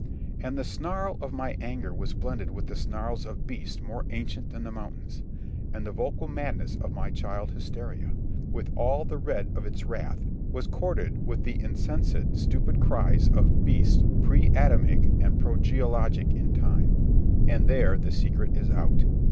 And the snarl of my anger was blended with the snarls of beasts more ancient than the mountains, and the vocal madness of my child hysteria, with all the red of its wrath, was chorded with the insensate, stupid cries of beasts pre Adamic and progeologic in time. And there the secret is out.